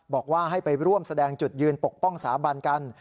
บอกว่าให้ไปร่วมแสดงจุดยืนปกป้องสถาบันกัน